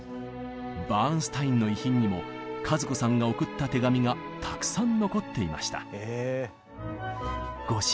バーンスタインの遺品にも和子さんが送った手紙がたくさん残っていました。